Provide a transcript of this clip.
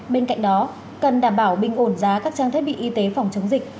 bên cạnh đó cần đảm bảo bình ổn giá các trang thiết bị y tế phòng chống dịch